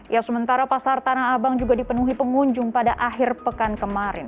ya sementara pasar tanah abang juga dipenuhi pengunjung pada akhir pekan kemarin